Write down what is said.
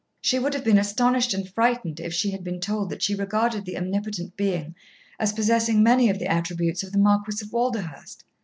She would have been astonished and frightened if she had been told that she regarded the Omnipotent Being as possessing many of the attributes of the Marquis of Walderhurst.